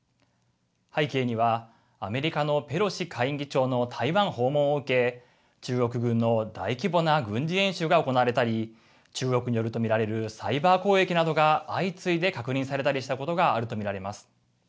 背景にはアメリカのペロシ下院議長の台湾訪問を受け中国軍の大規模な軍事演習が行われたり中国によると見られるサイバー攻撃などが相次いで確認されたりしたことがあると見られます。